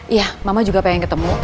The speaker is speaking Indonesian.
iya mama juga pengen ketemu